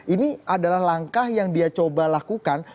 ini adalah langkah yang dia coba lakukan